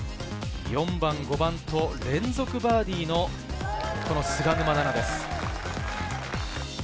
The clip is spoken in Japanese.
４番、５番と連続バーディーの菅沼菜々です。